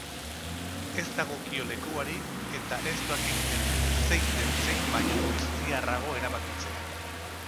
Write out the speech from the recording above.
Ez dagokio lekuari, eta ez doakit niri, zein den zein baino goiztiarrago erabakitzea.